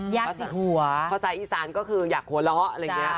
ภาษาอีสานก็คืออยากหัวเราะอะไรอย่างนี้